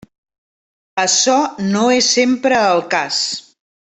Açò no és sempre el cas.